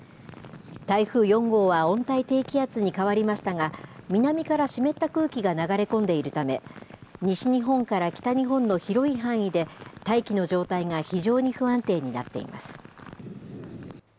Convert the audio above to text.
台風４号は温帯低気圧に変わりましたが、南から湿った空気が流れ込んでいるため、西日本から北日本の広い範囲で大気の状態が非常に不安定になっています。